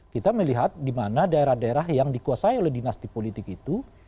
kita melihat di mana daerah daerah yang dikuasai oleh dinasti politik itu